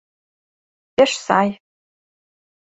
— Пеш сай.